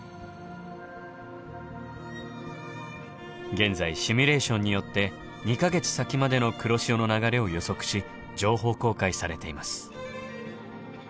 現在シミュレーションによって２か月先までの黒潮の流れを予測し情報公開されています。